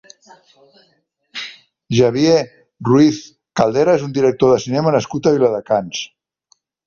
Javier Ruiz Caldera és un director de cinema nascut a Viladecans.